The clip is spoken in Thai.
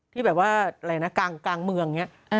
ที่แบบว่าอะไรนะกลางเมืองอย่างนี้